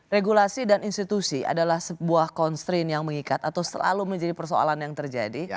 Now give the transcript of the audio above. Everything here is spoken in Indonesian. regulasi dan institusi adalah sebuah constrain yang mengikat atau selalu menjadi persoalan yang terjadi